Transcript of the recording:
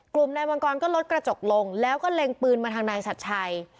กลุ่มนายมังกรก็ลดกระจกลงแล้วก็เล็งปืนมาทางนายชัดชัย